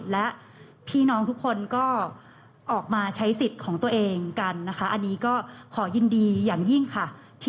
และพี่น้องทุกคนก็ออกมาใช้สิทธิ์ของตัวเองกันนะคะอันนี้ก็ขอยินดีอย่างยิ่งค่ะ